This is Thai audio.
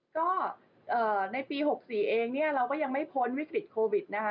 ก็ในปี๖๔เองเนี่ยเราก็ยังไม่พ้นวิกฤตโควิดนะคะ